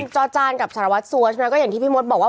จอดจานกับศรวรรษเสั้วน่ะก็อย่างที่พี่มดบอกว่า